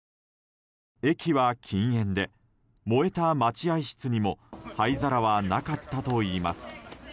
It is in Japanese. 駅は禁煙で、燃えた待合室にも灰皿はなかったといいます。